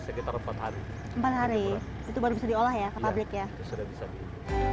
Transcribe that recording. sekitar empat hari empat hari itu baru bisa diolah ya ke pabrik ya sudah bisa